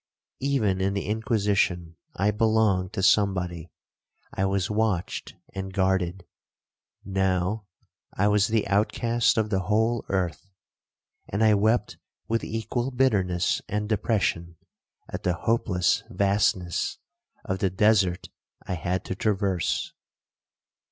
Even in the Inquisition I belonged to somebody,—I was watched and guarded;—now, I was the outcast of the whole earth, and I wept with equal bitterness and depression at the hopeless vastness of the desert I had to traverse.